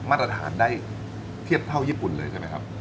มาตรฐานได้เทียบเท่าญี่ปุ่นเลยใช่ไหมครับ